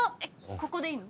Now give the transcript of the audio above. ここでいいの？